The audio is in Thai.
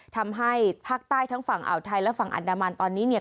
ทำให้ภาคใต้ทั้งฝั่งอ่าวไทยและฝั่งอันดามันตอนนี้เนี่ย